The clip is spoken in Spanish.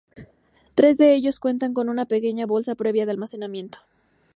Tres de ellos cuentan con una pequeña balsa previa de almacenamiento.